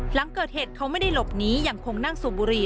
หลังเกิดเหตุเขาไม่ได้หลบหนียังคงนั่งสูบบุหรี่